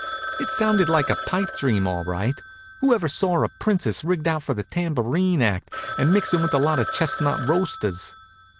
It sounded like a pipe dream, all right. Who ever saw a princess rigged out for the tambourine act and mixin' with a lot of chestnut roasters?